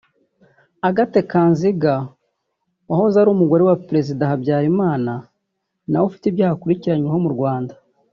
Agathe Kanziga wahoze ari umugore wa Perezida Habyarimana nawe ufite ibyaha akurikiranyweho mu Rwanda